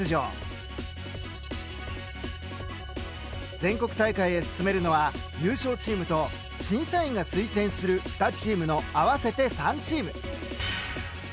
全国大会へ進めるのは優勝チームと審査員が推薦する２チームの合わせて３チーム。